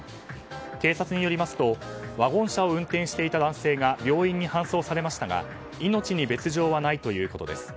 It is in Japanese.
警察によりますとワゴン車を運転していた男性が病院に搬送されましたが命に別条はないということです。